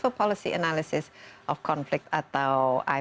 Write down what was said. menjadi sangat simpang siur